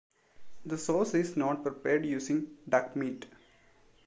The sauce is not prepared using duck meat.